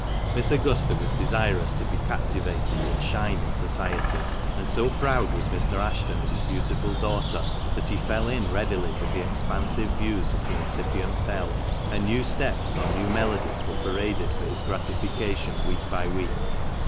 Miss Augusta was desirous to be captivating and shine in society, and so proud was Mr. Ashton of his beautiful daughter that he fell in readily with the expansive views of the incipient belle, and new steps or new melodies were paraded for his gratification week by week.